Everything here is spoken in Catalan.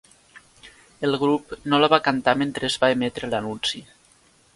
El grup no la va cantar mentre es va emetre l'anunci.